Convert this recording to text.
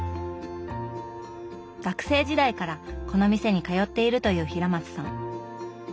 学生時代からこの店に通っているという平松さん。